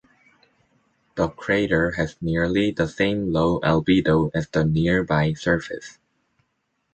The crater has nearly the same low albedo as the nearby surface.